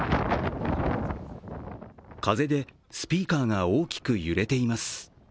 風でスピーカーが大きく揺れています。